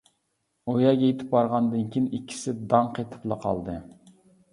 ئۇ يەرگە يېتىپ بارغاندىن كېيىن ئىككىسى داڭ قېتىپلا قالدى.